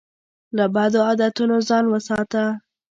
له بدو عادتونو ځان وساته.